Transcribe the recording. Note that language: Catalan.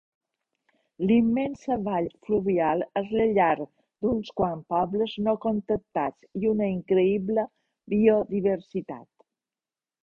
L'immensa vall fluvial és la llar d'uns quants pobles no contactats i una increïble biodiversitat.